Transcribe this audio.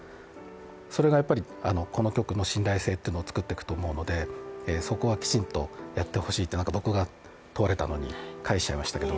それがやっぱりこの局の信頼性を作っていくと思うのでそこはきちんとやってほしいってなんか僕が問われたのに返しちゃいましたけど。